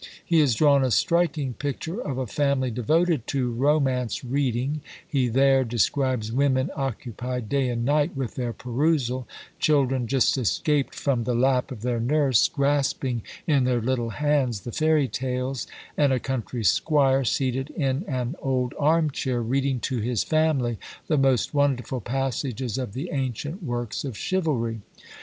He has drawn a striking picture of a family devoted to romance reading; he there describes women occupied day and night with their perusal; children just escaped from the lap of their nurse grasping in their little hands the fairy tales; and a country squire seated in an old arm chair, reading to his family the most wonderful passages of the ancient works of chivalry.